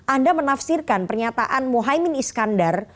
anda menafsirkan pernyataan mohaimin iskandar